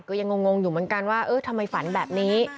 ก็ยังงงอยู่เหมือนกันว่าเออทำไมฝันแบบนี้